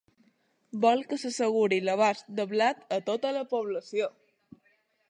Vol que s'asseguri l'abast de blat a tota la població.